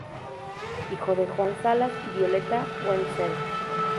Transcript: Hijo de Juan Salas y Violeta Wenzel.